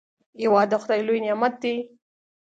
هېواد د خداي لوی نعمت دی.